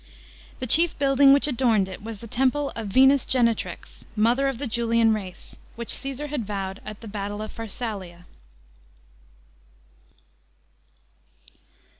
The chie' building which adorned it was the Temple of V« nus Genet rix, moth r of the Julian race, which Osesar had vowed at the battle ol Pharsalia.